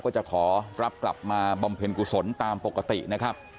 ก็จะขอรับกลับมาบำเพ็ญกุศลตามปกตินะครับ